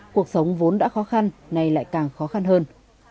cuộc sống vốn đã khó khăn nay lại càng khó khăn hơn